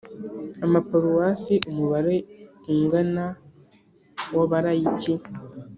amaparuwasi umubare ungana w Abalayiki